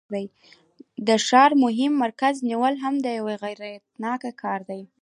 د ښار د مهم مرکز نیول هم یو اغیزناک کار دی.